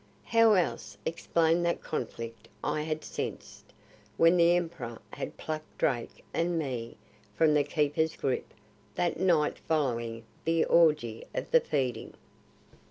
How else explain that conflict I had sensed when the Emperor had plucked Drake and me from the Keeper's grip that night following the orgy of the feeding?